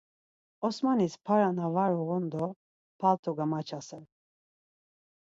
Osmanis para na var uğun do palto gamaçasere.